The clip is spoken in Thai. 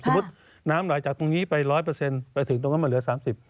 น้ำไหลจากตรงนี้ไป๑๐๐ไปถึงตรงนั้นมันเหลือ๓๐